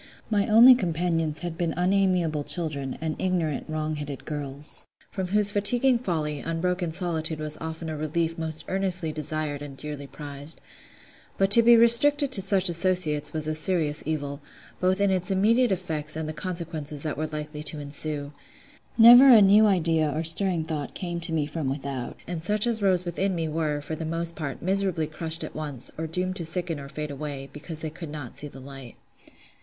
My only companions had been unamiable children, and ignorant, wrong headed girls; from whose fatiguing folly, unbroken solitude was often a relief most earnestly desired and dearly prized. But to be restricted to such associates was a serious evil, both in its immediate effects and the consequences that were likely to ensue. Never a new idea or stirring thought came to me from without; and such as rose within me were, for the most part, miserably crushed at once, or doomed to sicken or fade away, because they could not see the light.